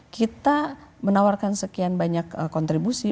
kita menawarkan sekian banyak kontribusi